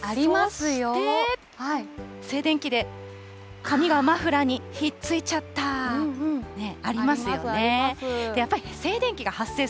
そして静電気で髪がマフラーにひっついちゃったー。あります、あります。